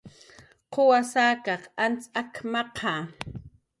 "¿Quwas akaq antz ak""maqa? "